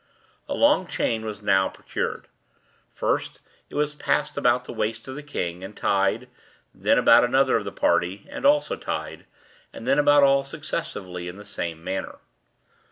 A long chain was now procured. First, it was passed about the waist of the king, and tied; then about another of the party, and also tied; then about all successively, in the same manner.